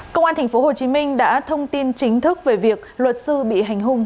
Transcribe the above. công an tp hcm đã thông tin chính thức về việc luật sư bị hành hung